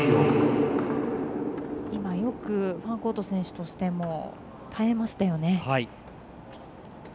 今よくファンコート選手としても耐えましたよね。